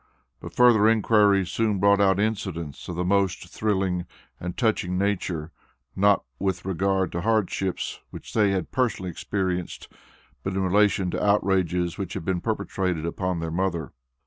But further inquiries soon brought out incidents of the most thrilling and touching nature not with regard to hardships which they had personally experienced, but in relation to outrages which had been perpetrated upon their mother.